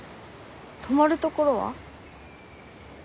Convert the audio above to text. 泊まるところは？